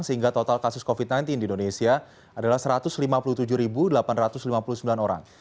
sehingga total kasus covid sembilan belas di indonesia adalah satu ratus lima puluh tujuh delapan ratus lima puluh sembilan orang